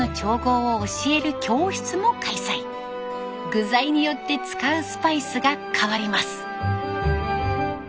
具材によって使うスパイスが変わります。